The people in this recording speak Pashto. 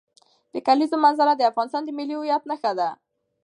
د کلیزو منظره د افغانستان د ملي هویت نښه ده.